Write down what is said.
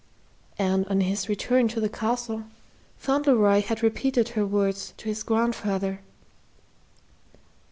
And on his return to the Castle, Fauntleroy had repeated her words to his grandfather.